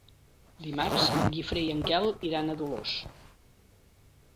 Dimarts en Guifré i en Quel iran a Dolors.